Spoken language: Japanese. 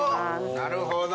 なるほど。